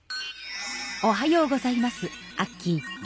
おはようございますアッキー。